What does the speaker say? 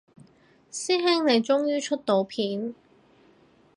師兄你終於出到片